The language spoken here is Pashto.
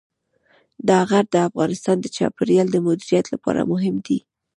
دا غر د افغانستان د چاپیریال د مدیریت لپاره مهم دی.